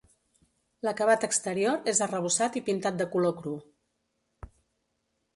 L'acabat exterior és arrebossat i pintat de color cru.